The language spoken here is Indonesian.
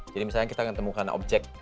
jadi misalnya kita akan temukan objek